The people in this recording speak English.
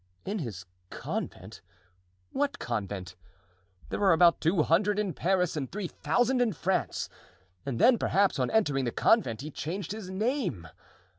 "In his convent! What convent? There are about two hundred in Paris and three thousand in France; and then, perhaps, on entering the convent he changed his name.